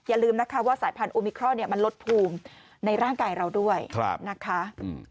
อย่าลืมนะคะว่าสายพันธุมิครอนมันลดภูมิในร่างกายเราด้วยนะคะ